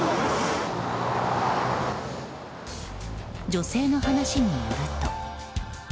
女性の話によると。